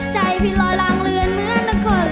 ใจพริรอยรางเลือดเหมือนลาก่อน